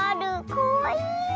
かわいい！